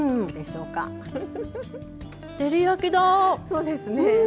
そうですね。